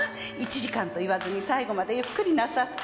１時間と言わずに最後までゆっくりなさって。